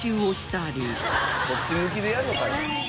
そっち向きでやんのかい。